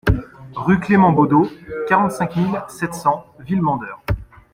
Rue Clément Baudeau, quarante-cinq mille sept cents Villemandeur